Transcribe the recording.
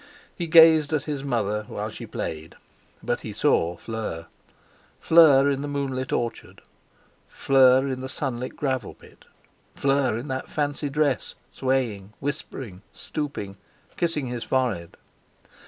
He gazed at his mother while she played, but he saw Fleur—Fleur in the moonlit orchard, Fleur in the sunlit gravel pit, Fleur in that fancy dress, swaying, whispering, stooping, kissing his forehead.